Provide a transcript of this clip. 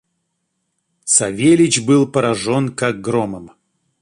Савельич был поражен как громом.